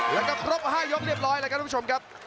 แล้วก็ครบ๕ยอบเรียบร้อยนะครับทุกคน